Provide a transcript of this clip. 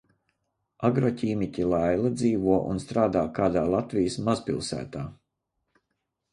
Agroķīmiķe Laila dzīvo un strādā kādā Latvijas mazpilsētā.